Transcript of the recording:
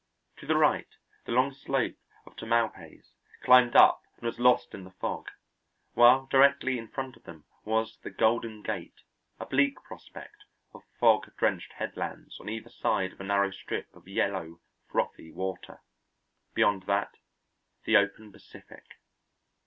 To the right the long slope of Tamalpais climbed up and was lost in the fog, while directly in front of them was the Golden Gate, a bleak prospect of fog drenched headlands on either side of a narrow strip of yellow, frothy water. Beyond that, the open Pacific.